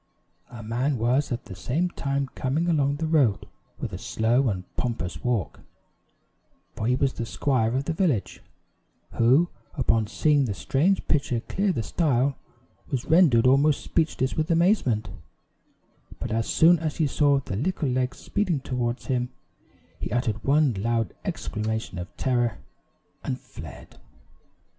A man was at the same time coming along the road with a slow and pompous walk for he was the squire of the village who, upon seeing the strange pitcher clear the stile, was rendered almost speechless with amazement; but as soon as he saw the little legs speeding toward him, he uttered one loud exclamation of terror, and fled!